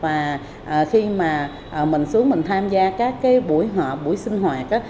và khi mà mình xuống mình tham gia các cái buổi họp buổi sinh hoạt á